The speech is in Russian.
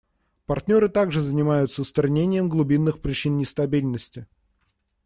Партнеры также занимаются устранением глубинных причин нестабильности.